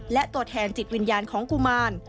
และตัวแทนจิตวิญญาณของกุมาร